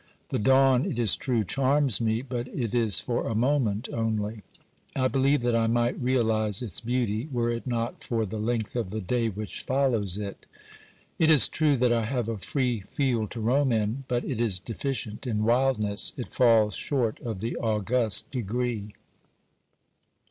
The dawn, it is true, charms me, but it is for a moment only, I believe that I might realise its beauty, were it not for the length of the day which follows it. It is true that I have a free field to roam in, but it is deficient in wildness, it falls short of the august degree.